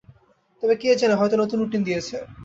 তবে কে জানে হয়তো নতুন রুটিন দিয়েছে।